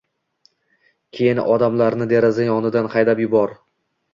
Keyin odamlarni deraza yonidan haydab yubor.